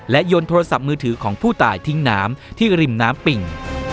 ยนโทรศัพท์มือถือของผู้ตายทิ้งน้ำที่ริมน้ำปิ่ง